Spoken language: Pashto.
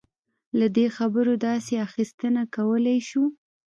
له دې خبرو داسې اخیستنه کولای شو.